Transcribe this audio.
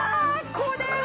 これは。